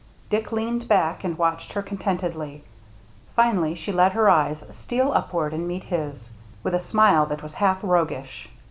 Dick leaned back and watched her contentedly. Finally she let her eyes steal upward and meet his, with a smile that was half roguish.